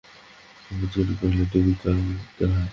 ক্ষেমংকরী কহিলেন, তুমি কে গা!